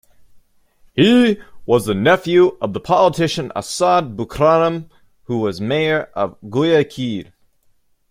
He was the nephew of the politician Assad Bucaram, who was mayor of Guayaquil.